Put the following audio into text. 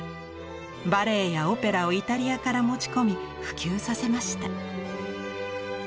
バレエやオペラをイタリアから持ち込み普及させました。